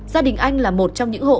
gia đình anh là một trong những hộ